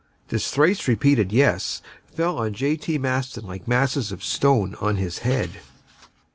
This thrice repeated "yes" fell on J. T. Maston like masses of stone on his head.